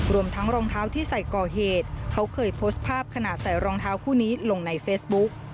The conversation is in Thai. รวมทั้งรองเท้าที่ใส่ก่อเหตุเขาเคยโพสต์ภาพขณะใส่รองเท้าคู่นี้ลงในเฟซบุ๊ก